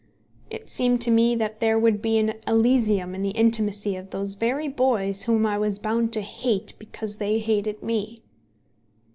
It seemed to me that there would be an Elysium in the intimacy of those very boys whom I was bound to hate because they hated me.